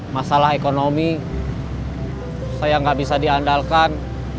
masalah ekonomi saya nggak bisa diandalkan